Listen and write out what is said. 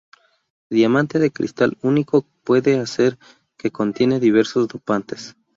Diamante de cristal único puede hacer que contiene diversos dopantes.